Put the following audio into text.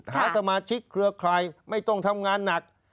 หาสมาชิกเครือใครไม่ต้องทำงานหนัก